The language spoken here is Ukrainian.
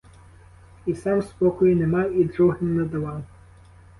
І сам спокою не мав, і другим не давав.